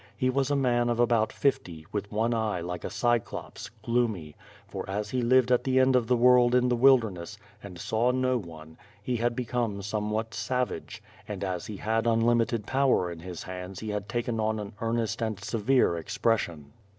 He was a man of about fifty, with one eye like a Cyclops, gloomy, for as he lived at the end of the world in the wilderness, and sp w no one, he had become somewhat savage, and as he had un limited power in his hands he had taken on an earnest and severe expression.